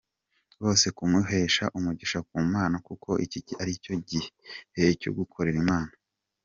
bose kumuhesha umugisha ku Mana kuko iki aricyo gihe cyo gukorera Imana.